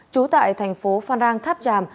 trú tại thành phố phan rang tháp tràm